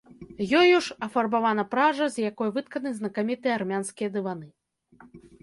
Ёю ж афарбавана пража, з якой вытканы знакамітыя армянскія дываны.